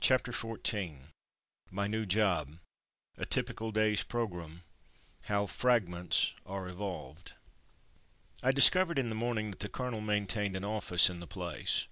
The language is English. CHAPTER XIV MY NEW JOB — ^A TYPICAL DAY S PROGRAMME — HOW "fragments'' are evolved I DISCOVERED in the morning that the colonel maintained an office in the place.